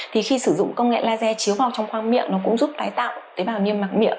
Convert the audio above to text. thì khi sử dụng công nghệ laser chiếu vào trong khoang miệng nó cũng giúp tái tạo tế bào niêm mạc miệng